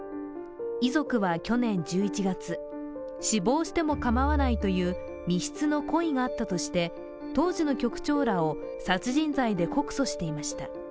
遺族は去年１１月、死亡しても構わないという未必の故意があったとして当時の局長らを殺人罪で告訴していました。